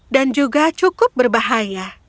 dan juga cukup berbahaya